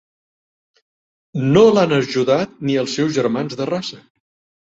No l'han ajudat ni els seus germans de raça.